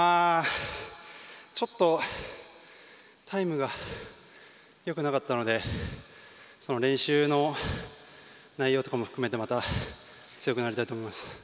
ちょっとタイムがよくなかったので練習の内容とかも含めてまた強くなりたいと思います。